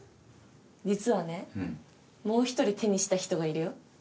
実はねもう１人手にした人がいるよ。